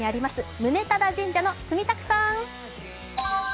宗忠神社の住宅さん。